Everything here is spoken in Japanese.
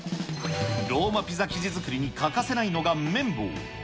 ローマピザ生地作りに欠かせないのが麺棒。